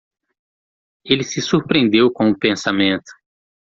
Ele se surpreendeu com o pensamento.